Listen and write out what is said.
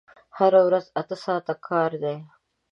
هره ورځ اته ساعته کار دی!